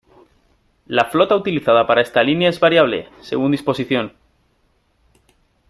La flota utilizada para esta línea es variable, según disposición.